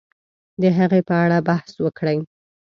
د هغې په اړه بحث وکړي